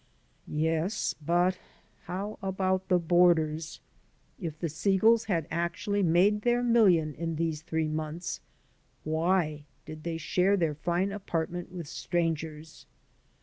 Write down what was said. Yes, but how about the boarders? If the Segals had actually made their million in these three months, why did they share their fine apartment with strangers?